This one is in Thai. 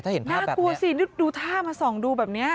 ถ้าเห็นภาพแบบนี้โอ้โฮน่ากลัวสิดูท่ามาส่องดูแบบนี้